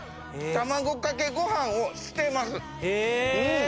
卵かけご飯をしてます。